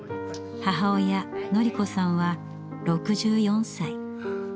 母親典子さんは６４歳。